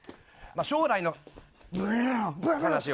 将来の話を。